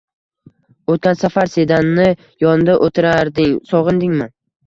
O‘tgan safar Sedani yonida o‘tirarding, sog‘indingmi?